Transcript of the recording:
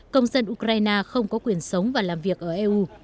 công dân ukraine không có quyền sống và làm việc ở eu